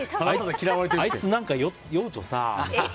あいつ何か、酔うとさ。